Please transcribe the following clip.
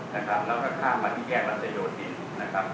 แล้วก็ข้ามมาที่แยกรัชโยธินนะครับ